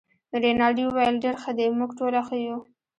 رینالډي وویل: ډیر ښه دي، موږ ټوله ښه یو.